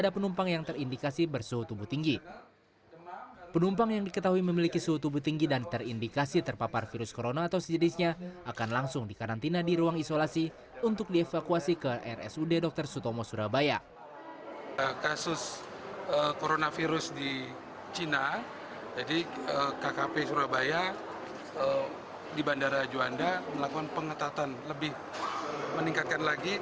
penumpang yang diketahui memiliki suhu tubuh tinggi dan terindikasi terpapar virus corona atau sejenisnya akan langsung dikarantina di terminal kedatangan